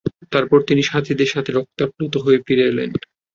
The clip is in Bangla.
তারপর তিনি তাঁর সাথীদের নিকট রক্তাপ্লুত হয়ে ফিরে এলেন।